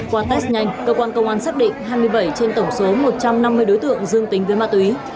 qua test nhanh cơ quan công an xác định hai mươi bảy trên tổng số một trăm năm mươi đối tượng dương tính với ma túy